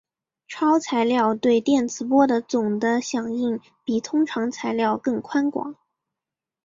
超材料对电磁波的总的响应比通常材料更宽广。